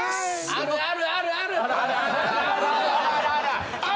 あるあるあるある！